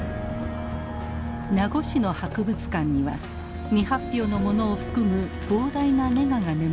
名護市の博物館には未発表のものを含む膨大なネガが眠っています。